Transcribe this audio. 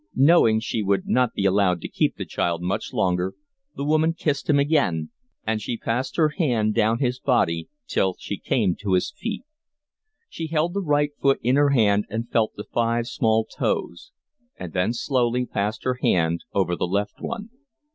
Knowing she would not be allowed to keep the child much longer, the woman kissed him again; and she passed her hand down his body till she came to his feet; she held the right foot in her hand and felt the five small toes; and then slowly passed her hand over the left one.